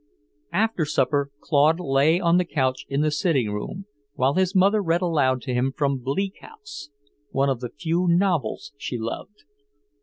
After supper Claude lay on the couch in the sitting room, while his mother read aloud to him from "Bleak House," one of the few novels she loved.